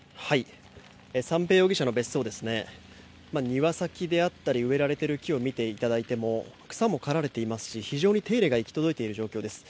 庭先であったり植えられている木を見ていただいても草も刈られていますし非常に手入れが行き届いている状況です。